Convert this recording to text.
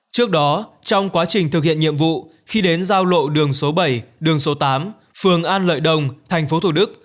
trước đó trong quá trình thực hiện nhiệm vụ khi đến giao lộ đường số bảy đường số tám phường an lợi đông tp thủ đức